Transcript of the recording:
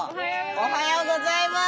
おはようございます。